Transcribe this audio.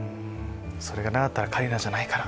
「それがなかったら桂里奈じゃないから」